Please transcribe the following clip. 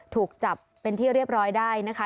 ถูกจับเป็นที่เรียบร้อยได้นะคะ